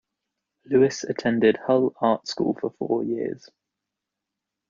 Lewis attended Hull Art School for four years.